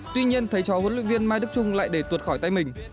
tuy nhiên thấy cho huấn luyện viên mai đức trung lại để tuột khỏi tay mình